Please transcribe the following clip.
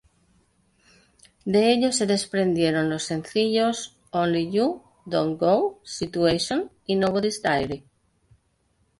De ellos, se desprendieron los sencillos "Only You", "Don't Go", "Situation" y "Nobody's Diary".